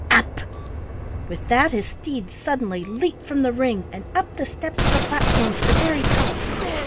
up!" With that his steeds suddenly leaped from the ring and up the steps of the platform to the very top.